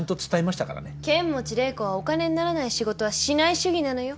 剣持麗子はお金にならない仕事はしない主義なのよ。